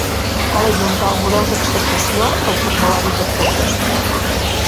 Cal ajuntar el Model d'acceptació al formulari d'aportació.